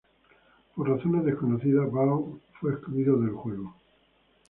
Por razones desconocidas, Bao fue excluido del juego.